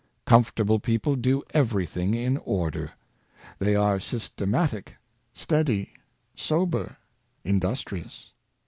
Comfortable people do everything in order. They are systematic, steady, sober, industrious.